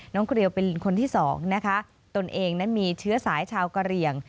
น้องเครียวเป็นคนที่๒นะคะตนเองมีเชื้อสายชาวกระเรียง